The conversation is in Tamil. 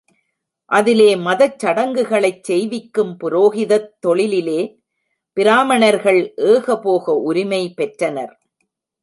அதிலே மதச் சடங்குகளைச் செய்விக்கும் புரோகிதத் தொழிலிலே, பிராமணர்கள் ஏகபோக உரிமை பெற்றனர்.